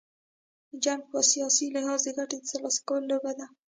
جنګ په سیاسي لحاظ، د ګټي تر لاسه کولو لوبه ده.